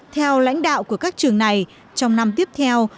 theo lãnh đạo của các trường này trong năm tiếp theo